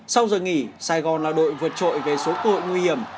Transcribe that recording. sau giờ nghỉ sài gòn là đội vượt trội về số cơ hội nguy hiểm